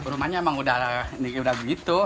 rumahnya emang udah begitu